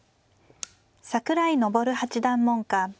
桜井昇八段門下。